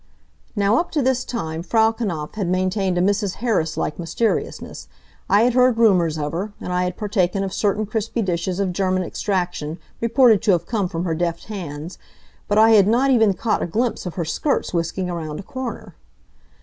Now up to this time Frau Knapf had maintained a Mrs. Harris like mysteriousness. I had heard rumors of her, and I had partaken of certain crispy dishes of German extraction, reported to have come from her deft hands, but I had not even caught a glimpse of her skirts whisking around a corner.